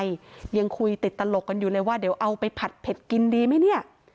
ยังคุยติดตลกกันอยู่เลยว่าเดี๋ยวเอาไปผัดเผ็ดกินดีไหมเนี่ย